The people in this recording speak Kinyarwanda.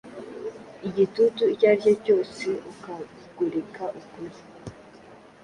igitutu icyo ari cyo cyose ukagoreka ukuri.